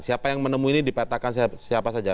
siapa yang menemui ini dipetakan siapa saja